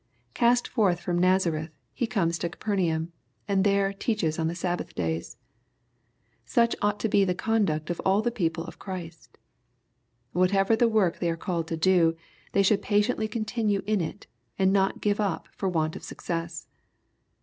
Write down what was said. Cast forth from Nazareth He comes to Capernaum, and there ^^ teaches on the Sab* bath days." Such ought to be the conduct of all the people of Christ. Whatever the work they are called to do, they should patiently continue in it, and not give up for want of success.